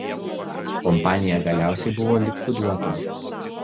Kompanija galiausiai buvo likviduota.